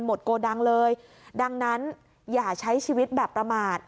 โกดังเลยดังนั้นอย่าใช้ชีวิตแบบประมาท